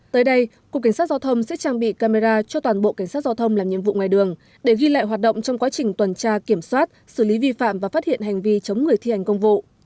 tới đây cục cảnh sát giao thông sẽ trang bị camera cho toàn bộ cảnh sát giao thông làm nhiệm vụ ngoài đường để ghi lại hoạt động trong quá trình tuần tra kiểm soát xử lý vi phạm và phát hiện hành vi chống người thi hành công vụ